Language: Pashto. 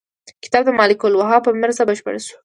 کتاب د ملک الوهاب په مرسته بشپړ شو.